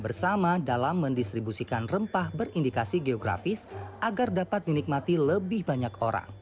bersama dalam mendistribusikan rempah berindikasi geografis agar dapat dinikmati lebih banyak orang